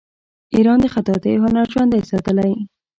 ایران د خطاطۍ هنر ژوندی ساتلی.